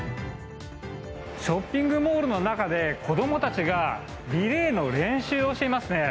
ショッピングモールの中で、子どもたちがリレーの練習をしていますね。